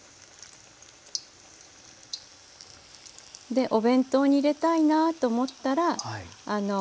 でお弁当に入れたいなと思ったら。